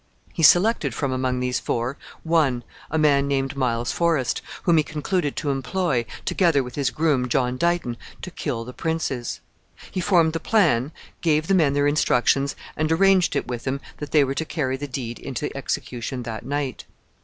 He selected from among these four, one, a man named Miles Forest, whom he concluded to employ, together with his groom, John Dighton, to kill the princes. He formed the plan, gave the men their instructions, and arranged it with them that they were to carry the deed into execution that night.